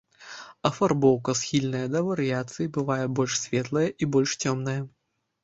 Афарбоўка схільная да варыяцый, бывае больш светлая і больш цёмная.